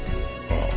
ああ。